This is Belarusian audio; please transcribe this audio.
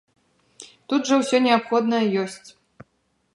Тут жа ўсё неабходнае ёсць.